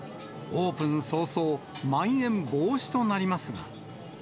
オープン早々、まん延防止となりますが。